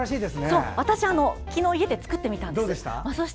私、昨日家で作ってみたんです。